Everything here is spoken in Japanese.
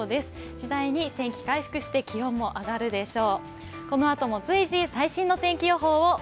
次第に天気、回復して、気温も上がるでしょう。